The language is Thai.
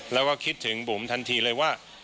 แล้วก็คิดถึงบุ๋มทันทีเลยว่า